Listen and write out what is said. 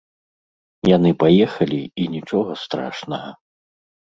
Яны паехалі, і нічога страшнага.